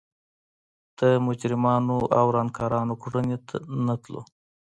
د مجرمانو او ورانکارانو کړنې نه تلو.